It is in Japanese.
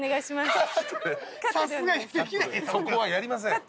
そこはやりません。